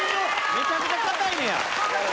めちゃくちゃ硬いんや。